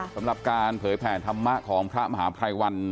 สำหรับการเผยแผ่ธรรมะของพระมหาภัยวัน